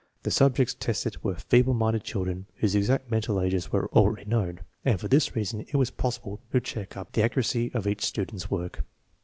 The subjects tested were feeble minded children* whose exact mental ages were already known, and for this reason it was possible to check up the accuracy of each student's work.